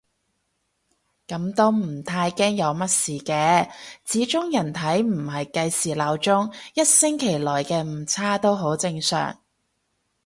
噉都唔太驚有乜事嘅，始終人體唔係計時鬧鐘，一星期內嘅誤差都好正常